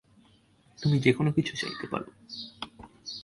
তুমি যেকোনো কিছু চাইতে পারো।